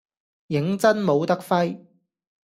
認真冇得揮